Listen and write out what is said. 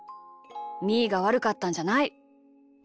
みーがわるかったんじゃない。